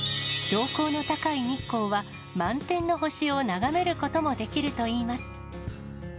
標高の高い日光は、満天の星を眺めることもできるといいます。